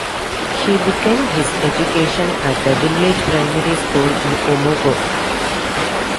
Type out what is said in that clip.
He began his education at the village primary school in Umuagu.